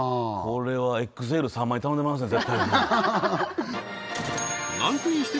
これはＸＬ３枚頼んでますね